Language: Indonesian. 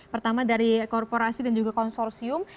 pertama dari korporasi dan juga konsorsium